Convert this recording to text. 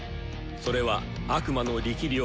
それは悪魔の力量